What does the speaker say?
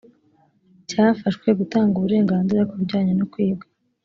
cyafashwe gutanga uburenganzira ku bijyanye no kwiga